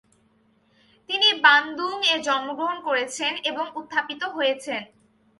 তিনি বানদুং এ জন্মগ্রহণ করেছেন এবং উত্থাপিত হয়েছেন।